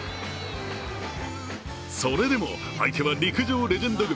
それでも、相手は陸上レジェンド軍。